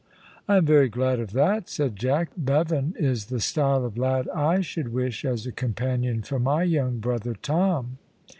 "I am very glad of that," said Jack; "Bevan is the style of lad I should wish as a companion for my young brother Tom."